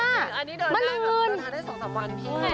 อันนี้เดินทางได้๒๓วันพี่